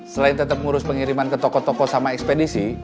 selain tetep ngurus pengiriman ke toko toko sama ekspedisi